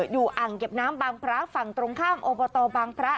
อ่างเก็บน้ำบางพระฝั่งตรงข้ามอบตบางพระ